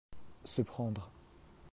se prendre.